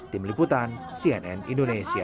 tim liputan cnn indonesia